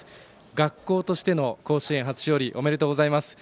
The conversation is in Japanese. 学校としての甲子園初勝利おめでとうございます。